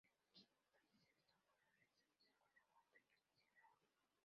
El quinto y sexto fueron realizados en Guanajuato y Silao.